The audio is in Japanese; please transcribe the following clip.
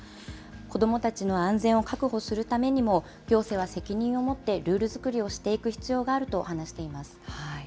子どもたちの安全を確保するためにも、行政は責任を持ってルール作りをしていく必要があると話しています。